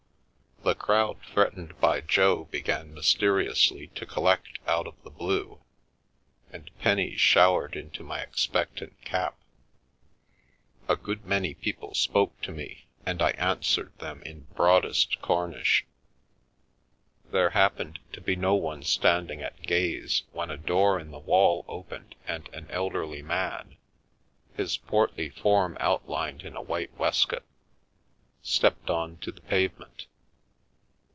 The crowd threatened by Jo began mysteriously to collect out of the blue, and pennies showered into my expectant cap; a good many people spoke to me, and I answered them in broadest Cornish. There happened to be no one standing at gaze when a door in the wall opened and an elderly man, his portly form outlined in a white waistcoat, stepped on to the pavement.